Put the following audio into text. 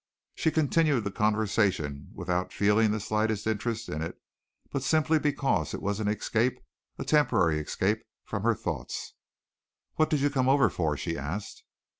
She continued the conversation without feeling the slightest interest in it, but simply because it was an escape a temporary escape from her thoughts. "What did you come over for?" she asked.